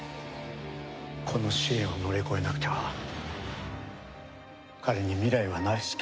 この試練を乗り越えなくては彼に未来はない。